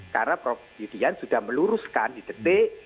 karena prof didian sudah meluruskan di detik